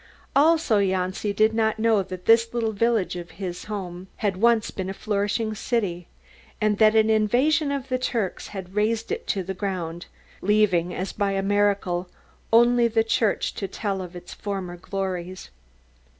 Also, Janci did not know that this little village of his home had once been a flourishing city, and that an invasion of the Turks had razed it to the ground leaving, as by a miracle, only the church to tell of former glories.